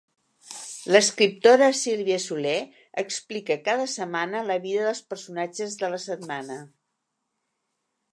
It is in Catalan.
L'escriptora Sílvia Soler explica cada setmana la vida dels personatges de la setmana.